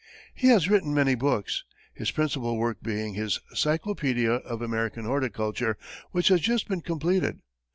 He has written many books, his principal work being his Cyclopedia of American Horticulture, which has just been completed.